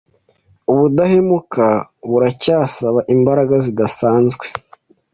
Ubudahemuka buracyasaba imbaraga zidasanzwe